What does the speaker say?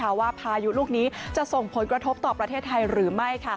ว่าพายุลูกนี้จะส่งผลกระทบต่อประเทศไทยหรือไม่